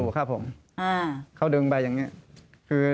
ขนกเขาดึงไปอย่างนี้